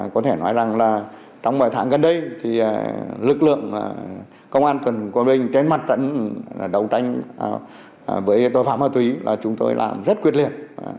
có thể nói rằng là trong mấy tháng gần đây thì lực lượng công an tỉnh quảng bình trên mặt trận đấu tranh với tội phạm ma túy là chúng tôi làm rất quyết liệt